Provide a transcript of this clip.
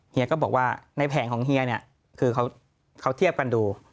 เฮียก็บอกว่าในแผงของเฮียเนี่ยคือเขาเทียบกันดู